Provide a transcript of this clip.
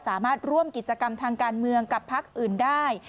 สามารถร่วมกิจกรรมทางการเมืองกับพักอื่นได้